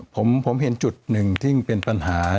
ผมเห็นจุดหนึ่งที่เป็นปัญหา